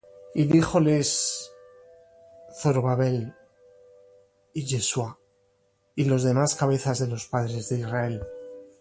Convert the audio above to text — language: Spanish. Y dijóles Zorobabel, y Jesuá, y los demás cabezas de los padres de Israel: